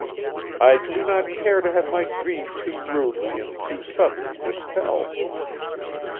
I do not care to have my dream too rudely and too suddenly dispelled.